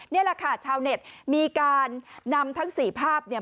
นี่แหละค่ะชาวเน็ตมีการนำทั้งสี่ภาพเนี่ย